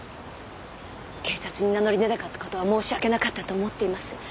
警察に名乗り出なかった事は申し訳なかったと思っています。